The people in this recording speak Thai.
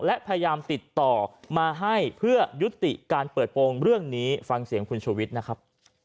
และพยายามติดต่อมาให้เพื่อยุติการเปิดโปรงเรื่องนี้ฟังเสียงคุณชูวิทย์นะครับ